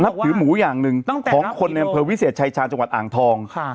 นับถือหมูอย่างหนึ่งต้องแต่นับผีโรงของคนในเผอวิเศษชายชานจังหวัดอ่างทองค่ะ